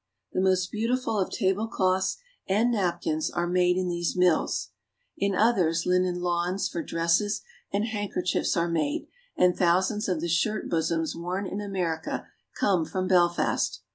The most beautiful of tablecloths and napkins are 32 SCOTLAND. made in these mills ; in others linen lawns for dresses and handkerchiefs are made; and thousands of the shirt bosoms worn in America come from Belfast.